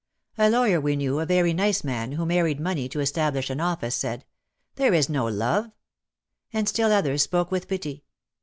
, A lawyer we knew, a very nice man, who mar ried money to establish an office, said, "There is no love!" And still others spoke with pity.